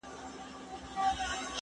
زه درسونه نه اورم،